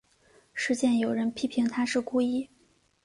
事件有人批评她是故意。